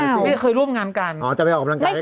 ไม่ใกล้เคยร่วมงานกันเออจะไปออกพนักการให้กัน